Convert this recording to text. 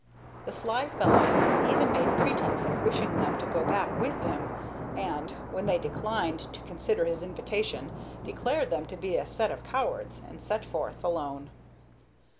The sly fellow even made pretence of wishing them to go back with him, and, when they declined to consider his invitation, declared them to be a set of cowards, and set forth alone.